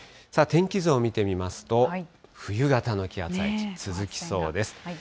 天気図を見てみますと、冬型の気圧配置、続きそうです。